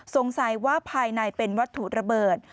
สงสัยว่าภายในเป็นวัตถุระเบิด